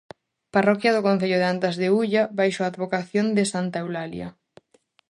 Parroquia do concello de Antas de Ulla baixo a advocación de santa Eulalia.